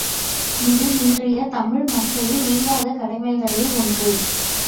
இது இன்றைய தமிழ் மக்களின் நீங்காத கடமைகளில் ஒன்று.